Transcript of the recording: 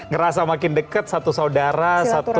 kerasa makin deket satu saudara satu